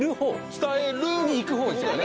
伝えるに行くほうですよね